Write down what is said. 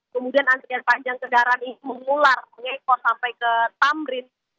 kemudian antrian panjang kendaraan itu mengular mengekor sampai ke tamrin